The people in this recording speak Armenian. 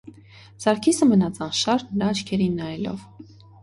Սարգիսը մնաց անշարժ նրա աչքերին նայելով: